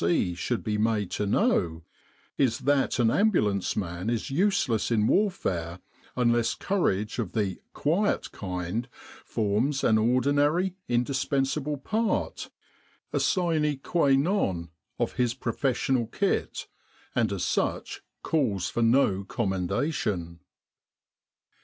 C. should be made to know is that an ambulance man is useless in warfare unless courage of the "quiet" kind forms an ordinary, indispensable part, a sine qua non, of his professional kit, and as such calls for no commendation.